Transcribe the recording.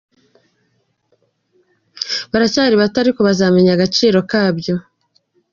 Baracyari bato ariko bazamenya agaciro kabyo !!!».